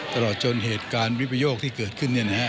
ตลอดจนเหตุการณ์วิปโยคที่เกิดขึ้น